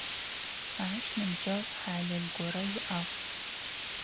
Ащ ныбджэгъу хьалэл горэ иӏагъ.